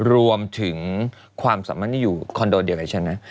รวมถึงความสามารถที่อยู่คอนโดเดียวกับฉันนะ